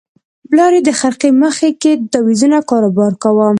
پلار یې د خرقې مخ کې د تاویزونو کاروبار کاوه.